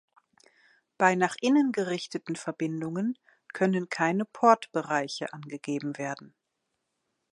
Bei nach innen gerichteten Verbindungen können keine Port-Bereiche angegeben werden.